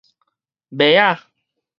妹仔